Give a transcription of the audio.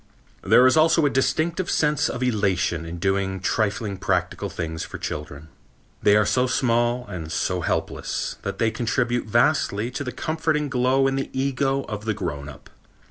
There is also a distinct sense of elation in doing trifling practical things for children. They are so small and so helpless that they contribute vastly to a comforting glow in the ego of the grown up.